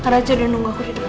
raja nunggu aku di depan